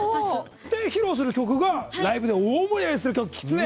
披露する曲がライブで大盛り上がりする曲「キツネ」。